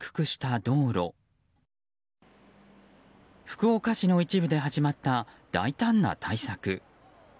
福岡市の一部で始まった大胆な対策。